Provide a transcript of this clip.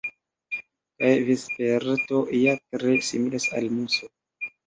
Kaj vesperto ja tre similas al muso.